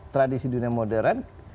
tradisi dunia modern